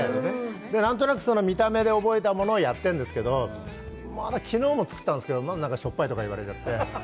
何となく見た目で覚えたものをやってるんですけど、昨日も作ったんですけれども、しょっぱいとか言われちゃって。